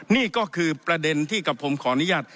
นี่ก็คือประเด็นที่กับผมขออนุญาต